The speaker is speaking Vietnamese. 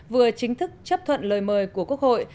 vừa chính thức chấp thuận lời mời của quốc hội